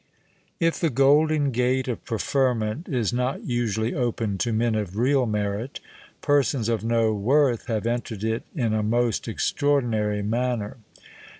If the golden gate of preferment is not usually opened to men of real merit, persons of no worth have entered it in a most extraordinary manner.